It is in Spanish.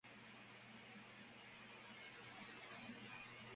Hitler utilizó la competición de los dos Estados para obtener concesiones.